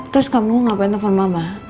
terus kamu ngapain telpon mama